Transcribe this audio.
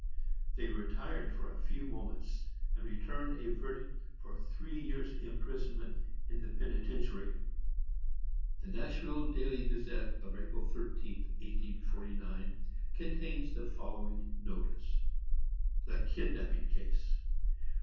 They retired for a few moments, and returned a verdict for three years imprisonment in the penitentiary. The Nashville Daily Gazette of April 13, 1849, contains the following notice: "THE KIDNAPPING CASE.